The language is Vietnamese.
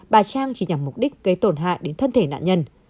bà trang chỉ nhằm mục đích gây tổn hại đến thân thể nạn nhân